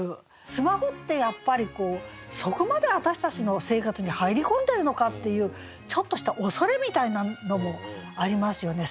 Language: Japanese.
スマホってやっぱりそこまで私たちの生活に入り込んでるのかっていうちょっとした恐れみたいなのもありますよね。